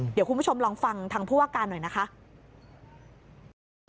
เดี๋ยวคุณผู้ชมลองฟังทางผู้ว่าการหน่อยนะคะ